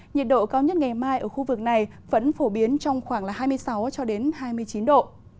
nhiệt độ cao nhất ngày mai ở khu vực này vẫn phổ biến trong khoảng hai mươi sáu hai mươi chín độ